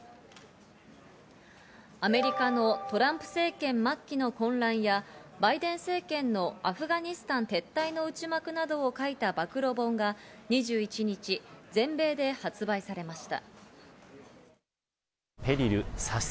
アメリカのトランプ政権末期の混乱や、バイデン政権のアフガニスタン撤退の内幕などを描いた暴露本が２１日、全米で発売されました。